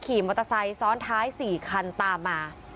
ขี่มอเตอร์ไซค์ซ้อนท้าย๔คันตามมา